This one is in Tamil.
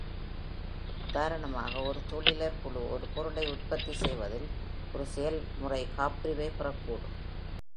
உதாரணமாக, ஒரு தொழிலர் குழு ஒரு பொருளை உற்பத்தி செய்வதில் ஒரு செயல்முறை காப்புரிமை பெறக் கூடும்.